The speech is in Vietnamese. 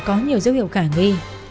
có nhiều dấu hiệu khả nghi